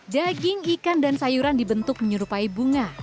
daging ikan dan sayuran dibentuk menyerupai bunga